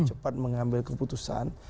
cepat mengambil keputusan